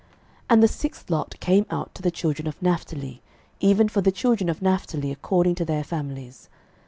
06:019:032 The sixth lot came out to the children of Naphtali, even for the children of Naphtali according to their families.